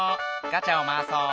ガチャをまわそう。